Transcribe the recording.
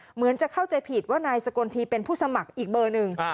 เหมือนจะเข้าใจผิดว่านายสกลทีเป็นผู้สมัครอีกเบอร์หนึ่ง